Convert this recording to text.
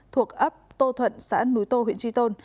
thuộc ấp tô thuận xã núi tô huyện tri tôn